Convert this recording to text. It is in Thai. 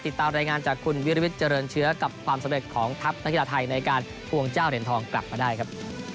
ติดตามรายงานจากคุณวิรวิทย์เจริญเชื้อกับความสำเร็จของทัพนักกีฬาไทยในการทวงเจ้าเหรียญทองกลับมาได้ครับ